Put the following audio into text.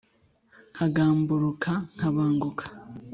Nkagamburuka nkabanguka